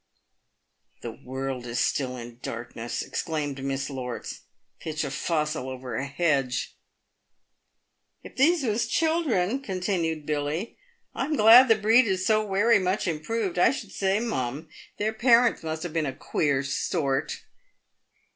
" The world is still in darkness !" exclaimed Miss Lorts. " Pitch a fossil over a hedge !"" If these was children," continued Billy ;" I'm glad the breed is so werry much improved. I should say, mum, their parents must have been a queer sort."